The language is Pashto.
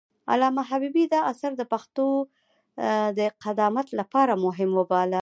علامه حبيبي دا اثر د پښتو د قدامت لپاره مهم وباله.